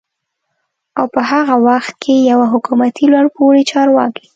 او په هغه وخت کې يوه حکومتي لوړپوړي چارواکي